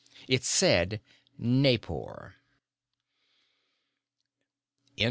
It said: Naipor.